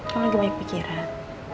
kamu lagi banyak pikiran